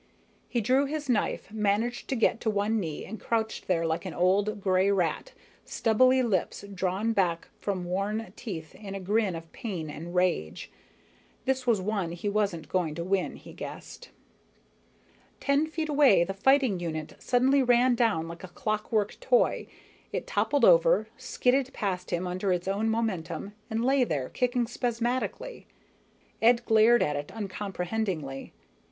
He drew his knife, managed to get to one knee, and crouched there like an old gray rat, stubbly lips drawn back from worn teeth in a grin of pain and rage. This was one he wasn't going to win, he guessed. Ten feet away, the fighting unit suddenly ran down like a clockwork toy. It toppled over, skidded past him under its own momentum, and lay there kicking spasmodically. Ed glared at it uncomprehendingly.